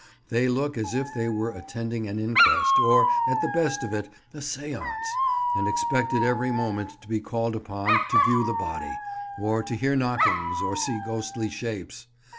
They look as if they were attending an inquest, or, at the best of it, a seance, and expected every moment to be called upon to view the body, or to hear knockings or see ghostly shapes.